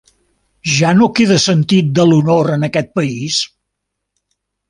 Ja no queda sentit de l'honor en aquest país?